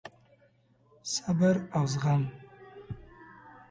صبر او زغم: